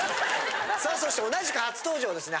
さあそして同じく初登場ですね